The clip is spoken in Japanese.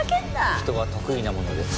人は得意なもので躓く。